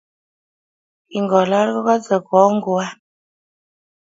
kingolal kokasei kongua